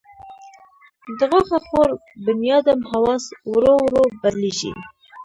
د غوښه خور بنیادم حواس ورو ورو بدلېږي.